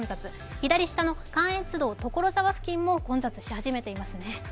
左下の関越道・所沢付近も混雑し始めていますね。